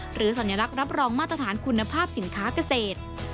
สัญลักษณ์รับรองมาตรฐานคุณภาพสินค้าเกษตร